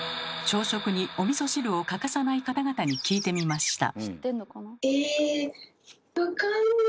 朝食におみそ汁を欠かさない方々に聞いてみました。